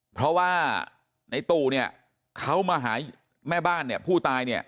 เพราะว่าในตู่เนี่ยเขามาหาแม่บ้านเนี่ยผู้ตายเนี่ย